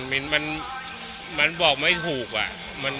มีอาวุธมั้ย